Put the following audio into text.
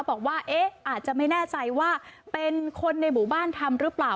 บอกว่าเอ๊ะอาจจะไม่แน่ใจว่าเป็นคนในหมู่บ้านทำหรือเปล่า